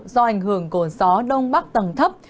do ảnh hưởng cổ gió đông bắc tầng thấp